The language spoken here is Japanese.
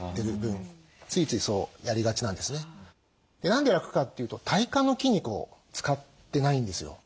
何で楽かっていうと体幹の筋肉を使ってないんですよ。